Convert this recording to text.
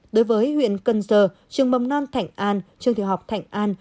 đối với huyện cân giờ trường mầm non thạnh an trường thiều học thạnh an